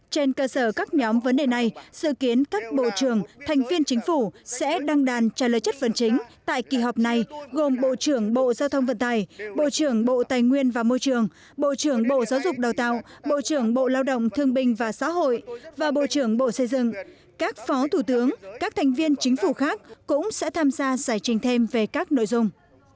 trên cơ sở các nhóm vấn đề này sự kiến các bộ trưởng thành viên chính phủ sẽ đăng đàn trả lời chất vấn chính tại kỳ họp này gồm bộ trưởng bộ giao thông vận tài bộ trưởng bộ tài nguyên và môi trường bộ trưởng bộ giáo dục đào tạo bộ trưởng bộ lao động thương binh và xã hội và bộ trưởng bộ xây dựng các phó thủ tướng các thành viên chính phủ khác cũng sẽ tham gia giải trình thêm về các nội dung